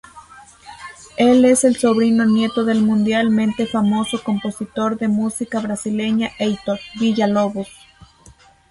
Él es el sobrino nieto del mundialmente famoso compositor de música brasileña Heitor Villa-Lobos.